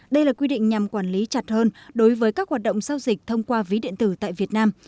đây là quy định nhằm quản lý chặt hơn đối với các hoạt động giao dịch thông qua ví điện tử tại việt nam